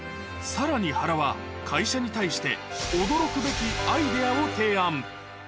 さらに原は、会社に対して驚くべきアイデアを提案。